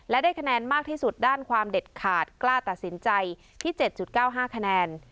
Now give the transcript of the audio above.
และได้คะแนนมากที่สุดด้านความเด็ดขาดกล้าตัดสินใจที่๗๙๕คะแนน